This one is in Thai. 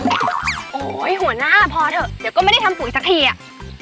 โอ้โหหัวหน้าพอเถอะเดี๋ยวก็ไม่ได้ทำปุ๋ยสักทีอ่ะ